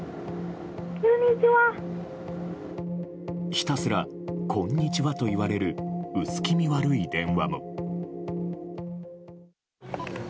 ひたすらこんにちはと言われる薄気味悪い電話も。